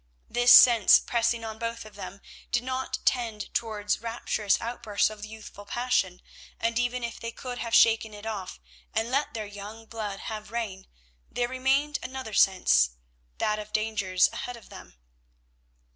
This sense pressing on both of them did not tend towards rapturous outbursts of youthful passion, and even if they could have shaken it off and let their young blood have rein, there remained another sense—that of dangers ahead of them.